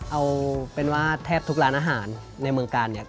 เอาเป็นว่าแทบทุกร้านอาหารในเมืองกาลเนี่ย